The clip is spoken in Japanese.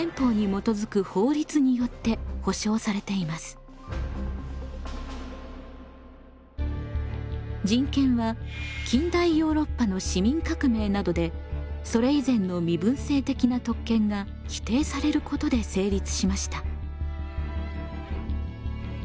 国連の人権は近代ヨーロッパの市民革命などでそれ以前の身分制的な特権が否定されることで成立しました。